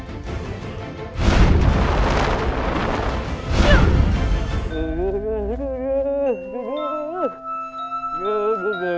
aku tak tahu ini apa